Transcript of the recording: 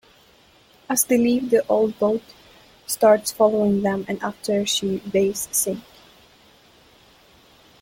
As they leave the old boat starts following them and after she waves sink.